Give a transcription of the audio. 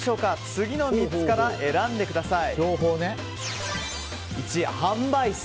次の３つから選んでください。